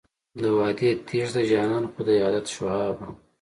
د وعدې تېښته د جانان خو دی عادت شهابه.